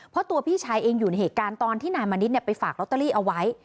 เพราะตัวพี่ชายเองอยู่ในเหตุการณ์ตอนที่นายมณิษฐ์ไปฝากลอตเตอรี่เอาไว้